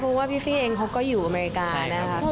เพราะว่าพี่ฟี่เองเขาก็อยู่อเมริกานะคะ